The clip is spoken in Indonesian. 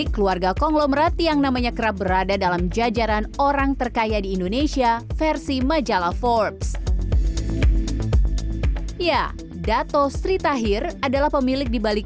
empat gedung yang menjulang tinggi di pusat ibu kota ini